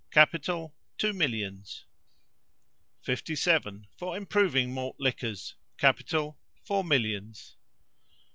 Capital, two millions. 57. For improving malt liquors. Capital, four millions.